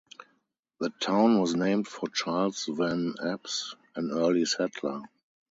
The town was named for Charles Van Epps, an early settler.